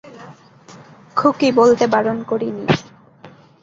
খুকি বলতে বারণ করিনি?